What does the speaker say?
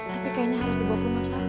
tapi kayaknya harus dibawa ke rumah sakit